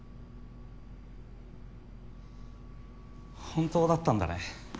本当だったんだね